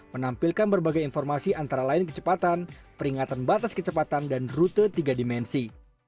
menampilkan berbagai informasi antara lain kecepatan peringatan batas kecepatan dan rute tiga dimensi